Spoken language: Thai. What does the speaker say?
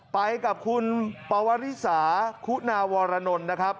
ไปกับคุณปวริสาคุณาวรนนท์นะครับ